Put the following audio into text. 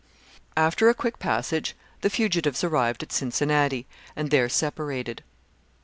After a quick passage the fugitives arrived at Cincinnati, and there separated.